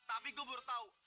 tapi gue baru tahu